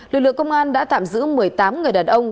lực lượng công an đã tạm giữ một mươi tám người đàn ông